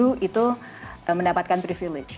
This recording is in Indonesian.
saya maju itu mendapatkan privilege